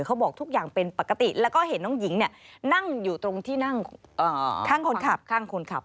เขาบอกทุกอย่างเป็นปกติแล้วก็เห็นน้องหญิงนั่งอยู่ตรงที่นั่งข้างคนขับข้างคนขับ